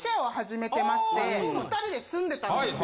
２人で住んでたんですよ。